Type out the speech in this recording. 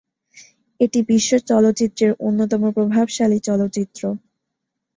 এটি বিশ্ব চলচ্চিত্রের অন্যতম প্রভাবশালী চলচ্চিত্র।